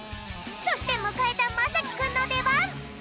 そしてむかえたまさきくんのでばん。